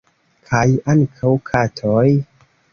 Kaj ankaŭ katoj?